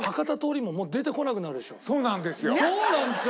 そうなんですよ。